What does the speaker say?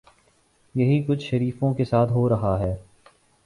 یہی کچھ شریفوں کے ساتھ ہو رہا ہے۔